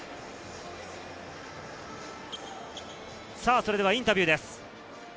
それではインタビューです。